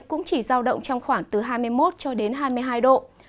cũng chỉ giao động trong khoảng từ hai mươi một cho đến hai mươi hai độ